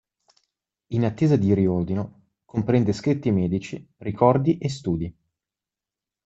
In attesa di riordino, comprende scritti medici, ricordi e studi.